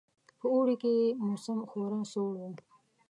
په اوړي کې یې موسم خورا سوړ وو.